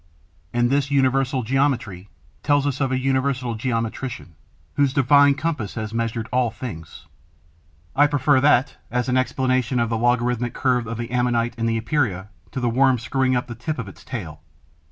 And this universal geometry tells us of an Universal Geometrician, whose divine compass has measured all things. I prefer that, as an explanation of the logarithmic curve of the Ammonite and the Epeira, to the Worm screwing up the tip of its tail.